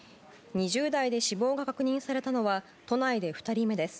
２０代で死亡が確認されたのは都内で２人目です。